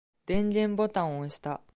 電源ボタンを押した。